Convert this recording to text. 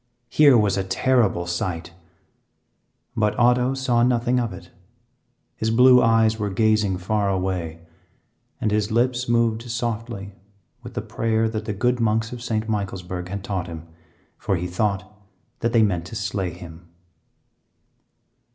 Here was a terrible sight, but Otto saw nothing of it; his blue eyes were gazing far away, and his lips moved softly with the prayer that the good monks of St. Michaelsburg had taught him, for he thought that they meant to slay him.